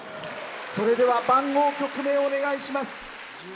それでは番号、曲名お願いします。